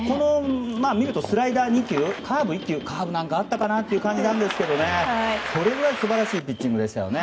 見ると、スライダー２球カーブ２球カーブなんかあったかなという感じですがそれぐらい素晴らしいピッチングでした。